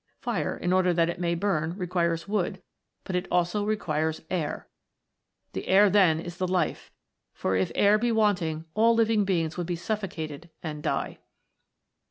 Fire, in order that it may burn, requires wood, but it also requires air. The air, then, is the life, for if air be wanting THE FOUR ELEMENTS. 35 all living beings would be suffocated and die."